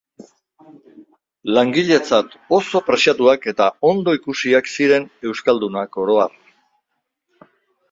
Langiletzat oso preziatuak eta ondo ikusiak ziren euskaldunak oro har.